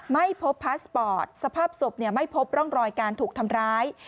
ไม่พบพาสปอร์ตสภาพศพไม่พบร่องรอยการถูกทำร้าย